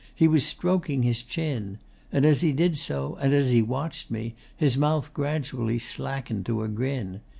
He was stroking his chin. And as he did so, and as he watched me, his mouth gradually slackened to a grin.